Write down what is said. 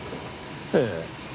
ええ。